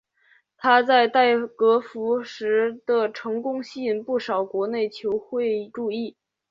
他在代格福什的成功吸引不少国内球会注意。